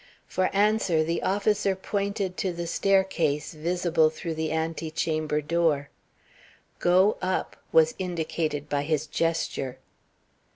For answer the officer pointed to the staircase visible through the antechamber door. "Go up!" was indicated by his gesture.